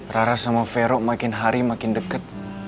rara sama vero makin hari makin dekat